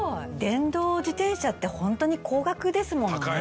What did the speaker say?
電動自転車ってホントに高額ですもんね。